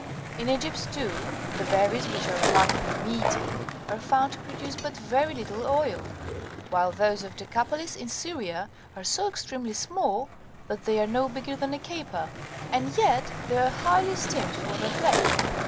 In Egypt,35 too, the berries, which are remarkably meaty, are found to produce but very little oil ; while those of Decapolis, in Syria, are so extremely small, that they are no bigger than a caper ; and yet they are highly esteemed for their flesh.